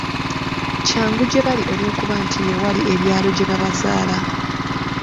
Kyangu gye bali olw’okuba nti ye wali ebyalo gye babazaala.